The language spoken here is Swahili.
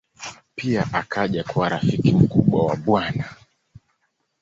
Pia akaja kuwa rafiki mkubwa wa Bw.